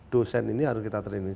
dosen ini harus kita terima